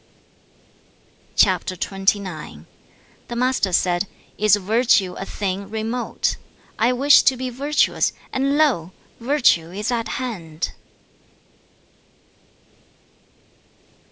CHAP. XXIX. The Master said, 'Is virtue a thing remote? I wish to be virtuous, and lo! virtue is at hand.'